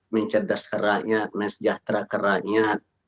mencerdas ke rakyat mensejahtera ke rakyat